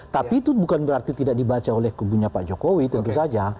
tapi itu bukan berarti tidak dibaca oleh kubunya pak jokowi tentu saja